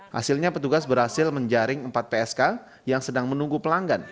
hasilnya petugas berhasil menjaring empat psk yang sedang menunggu pelanggan